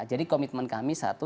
jadi komitmen kami satu